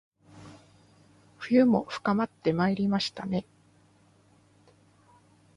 冬も深まってまいりましたね